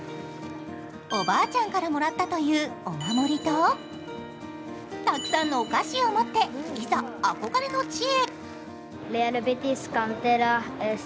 おばあちゃんからもらったというお守りと、たくさんのお菓子を持って、いざ憧れの地へ。